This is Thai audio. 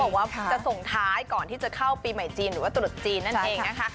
บอกว่าจะส่งท้ายก่อนที่จะเข้าปีใหม่จีนหรือว่าตรุษจีนนั่นเองนะคะ